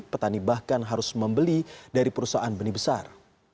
petani bahkan harus membeli dari perusahaan benih besar